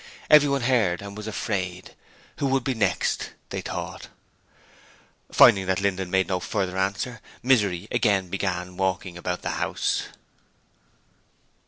Everyone heard and was afraid. Who would be the next? they thought. Finding that Linden made no further answer, Misery again began walking about the house.